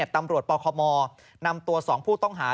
ตำรวจปคมนำตัว๒ผู้ต้องหา